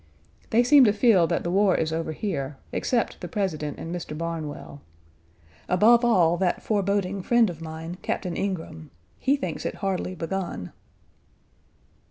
They seem to feel that the war is over here, except the President and Mr. Barnwell; above all that foreboding friend of mine, Captain Ingraham. He thinks it hardly begun.